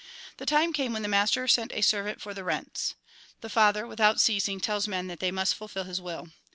The time came when the master sent a servant for the rents. (The Father, without ceasing, tells men that they must fulfil His will.)